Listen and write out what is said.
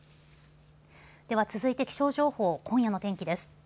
では続いて気象情報、今夜の天気です。